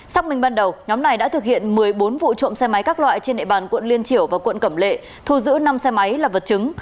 xác minh ban đầu nhóm này đã thực hiện một mươi bốn vụ trộm xe máy các loại trên địa bàn quận liên triểu và quận cẩm lệ thu giữ năm xe máy là vật chứng